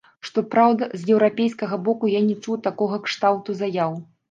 Што праўда, з еўрапейскага боку я не чуў такога кшталту заяў.